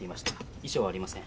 遺書はありません。